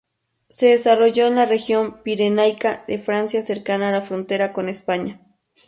Se desarrolló en la región pirenaica de Francia cercana a la frontera con España.